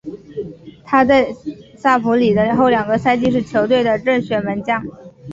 他在萨普里萨的后两个赛季是球队的正选门将。